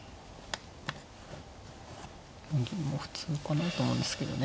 銀も普通かなと思うんですけどね。